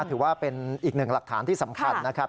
ถือว่าเป็นอีกหนึ่งหลักฐานที่สำคัญนะครับ